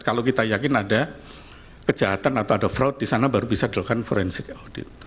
kalau kita yakin ada kejahatan atau ada fraud di sana baru bisa dilakukan forensik audit